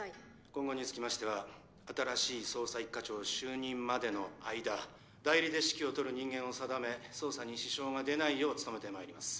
今後につきましては新しい捜査一課長就任までの間代理で指揮をとる人間を定め捜査に支障が出ないよう努めてまいります